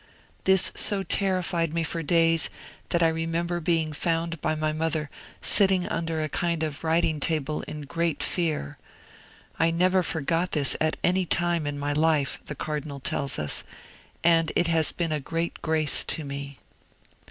This so terrified me for days that I remember being found by my mother sitting under a kind of writing table in great fear. I never forgot this at any time in my life,' the Cardinal tells us, 'and it has been a great grace to me.'